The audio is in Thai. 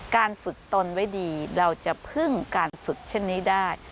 การฝึกตนไว้ดีเราจะพึ่งการฝึกเช่นนี้ได้